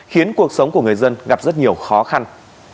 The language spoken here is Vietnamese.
khiến cuộc sống của người dân gặp rất nhiều khó khăn